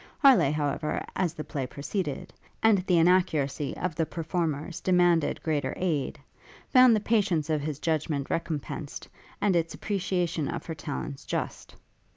Harleigh, however, as the play proceeded, and the inaccuracy of the performers demanded greater aid, found the patience of his judgment recompensed, and its appreciation of her talents just.